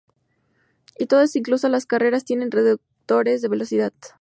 Y todas incluso las carreteras tienen reductores de velocidad.